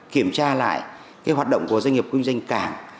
kiểm tra lại hoạt động của doanh nghiệp kinh doanh cảng